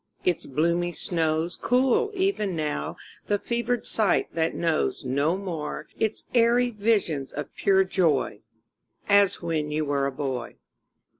Its bloomy snows Cool even now the fevered sight that knows No more its airy visions of pure joy As when you were a boy.